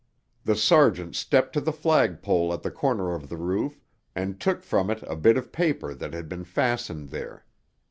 The sergeant stepped to the flagpole at the corner of the roof and took from it a bit of paper that had been fastened there.